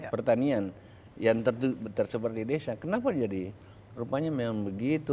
pertanian yang tersebar di desa kenapa jadi rupanya memang begitu